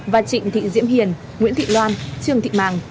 và trịnh thị diễm hiền nguyễn thị loan trương thị màng